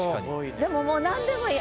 でももうなんでもいい。